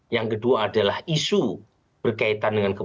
yang kedua adalah isu berkaitan dengan